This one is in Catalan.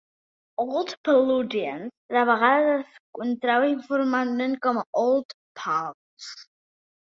"Old Paludians" de vegades es contrau informalment com a "Old Pals".